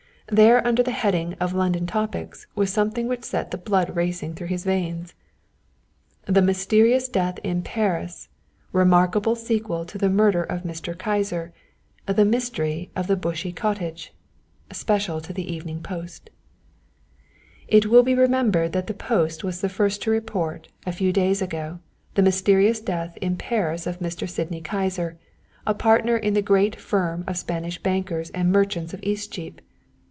There under the heading of London Topics was something which set the blood racing through his veins. THE MYSTERIOUS DEATH IN PARIS REMARKABLE SEQUEL TO THE MURDER OF MR. KYSER THE MYSTERY OF THE BUSHEY COTTAGE (Special to the "Evening Post") "It will be remembered that the Post was the first to report, a few days ago, the mysterious death in Paris of Mr. Sydney Kyser, a partner in the great firm of Spanish Bankers and Merchants of Eastcheap.